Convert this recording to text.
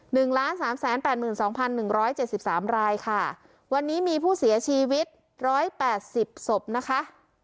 หนึ่งล้านสามแสนแปดหมื่นสองพันหนึ่งร้อยเจ็ดสิบสามรายค่ะวันนี้มีผู้เสียชีวิตร้อยแปดสิบศพนะคะ